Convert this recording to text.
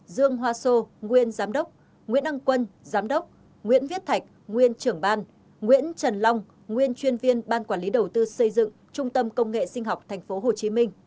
dương hoa sô nguyên giám đốc nguyễn đăng quân giám đốc nguyễn viết thạch nguyên trưởng ban nguyễn trần long nguyên chuyên viên ban quản lý đầu tư xây dựng trung tâm công nghệ sinh học tp hcm